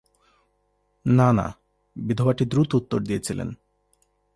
"না, না," বিধবাটি দ্রুত উত্তর দিয়েছিলেন।